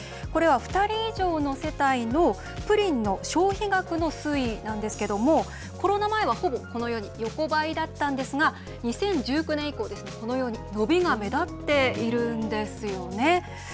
これは２人以上の世帯のプリンの消費額の推移なんですけれども、コロナ前は、ほぼこのように横ばいだったんですが、２０１９年以降、このように伸びが目立っているんですよね。